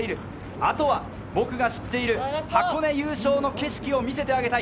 あとは僕が知っている箱根優勝の景色を見せてあげたい。